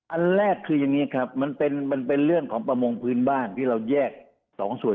อันแรกคืออย่างนี้ครับมันเป็นเรื่องของประมงพื้นบ้านที่เราแยก๒ส่วน